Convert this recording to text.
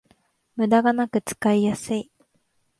ムダがなく使いやすい